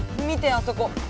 あそこ！